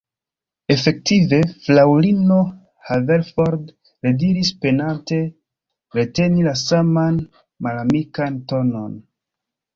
Efektive? fraŭlino Haverford rediris, penante reteni la saman malamikan tonon.